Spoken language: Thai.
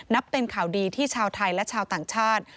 เป็นข่าวดีที่ชาวไทยและชาวต่างชาติ